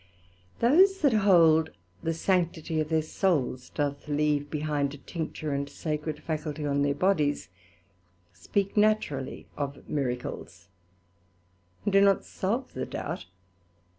Those that hold the sanctity of their Souls doth leave behind a tincture and sacred faculty on their bodies, speak naturally of Miracles, and do not salve the doubt.